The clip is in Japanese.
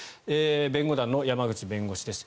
弁護団の山口弁護士です。